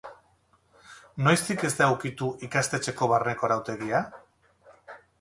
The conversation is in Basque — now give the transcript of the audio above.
Noiztik ez da ukitu ikastetxeko barneko arautegia?